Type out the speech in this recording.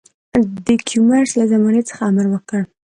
د کیومرث له زمانې څخه امر وکړ.